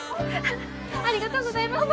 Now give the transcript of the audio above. ありがとうございます。